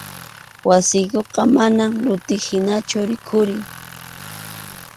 Wasiykuqa manam luti hinachu rikhurin.